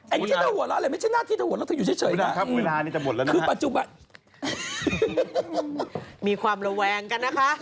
อันนี้ทำวัตรแล้วเลยไม่ใช่หน้าที่ทำวัตรเราต้องอยู่เฉยกันนะค่ะคือปัจจุบันมีความระแวงกันนะคะ